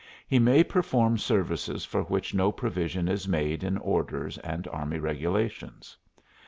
He may perform services for which no provision is made in orders and army regulations.